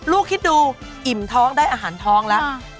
คิดดูอิ่มท้องได้อาหารท้องแล้ว